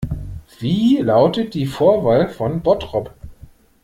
Wie lautet die Vorwahl von Bottrop?